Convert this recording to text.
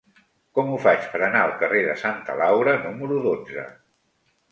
Com ho faig per anar al carrer de Santa Laura número dotze?